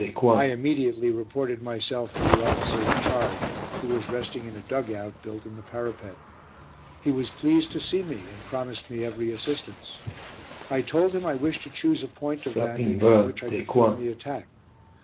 I immediately reported myself to the officer in charge, who was resting in a dug out, built in the parapet. He was pleased to see me, and promised me every assistance. I told him I wished to choose a point of vantage from which I could film the attack.